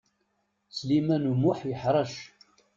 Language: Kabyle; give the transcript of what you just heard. Sliman U Muḥ yeḥṛec.